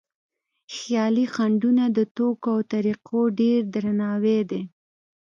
خیالي خنډونه د توکو او طریقو ډېر درناوی دی.